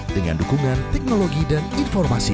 dengan dukungan teknologi dan informasi